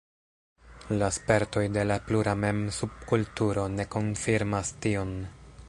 La spertoj de la pluramem-subkulturo ne konfirmas tion.